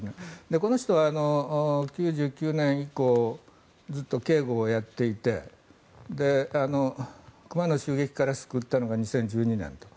この人は、９９年以降ずっと警護をやっていて熊の襲撃から救ったのが２０１２年。